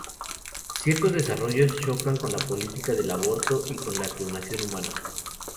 Ciertos desarrollos chocan con la política del aborto y con la clonación humana.